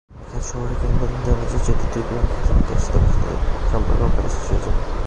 এখানের শহুরে কিংবদন্তি অনুযায়ী, যদি দুই প্রেমিক একটি নৌকায় একসাথে বসে, তাদের সম্পর্ক অকালে শেষ হয়ে যাবে।